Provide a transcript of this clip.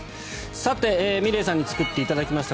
さて、ｍｉｌｅｔさんに作っていただきました